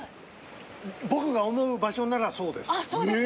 僕が思う場所ならそうです。